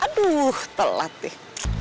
aduh telat deh